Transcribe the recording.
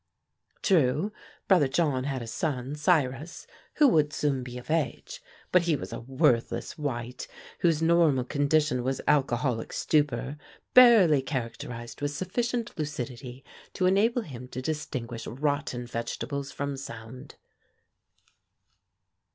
True, Brother John had a son, Cyrus, who would soon be of age, but he was a worthless wight, whose normal condition was alcoholic stupor, barely characterized with sufficient lucidity to enable him to distinguish rotten vegetables from sound.